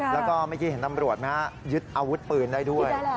แล้วก็เมื่อกี้เห็นตำรวจไหมฮะยึดอาวุธปืนได้ด้วย